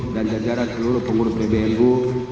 dan jajaran seluruh pengurus pbnu